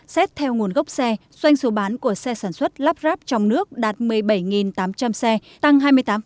xét theo nguồn gốc xe doanh số bán của xe sản xuất lắp ráp trong nước đạt một mươi bảy tám trăm linh xe tăng hai mươi tám